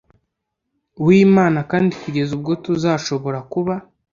w imana kandi kugeza ubwo tuzashobora kuba